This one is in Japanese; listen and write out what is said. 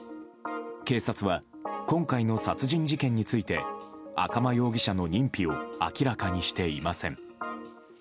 警察は今回の殺人事件について赤間容疑者の認否を明らかにしていません。